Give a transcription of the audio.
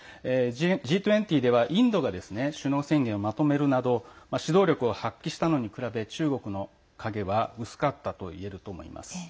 Ｇ２０ではインドが首脳宣言をまとめるなど指導力を発揮したのに比べ中国の影は薄かったといえると思います。